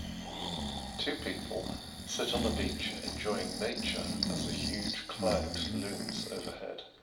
Two people sit on a bench enjoying nature as a huge cloud looms overhead.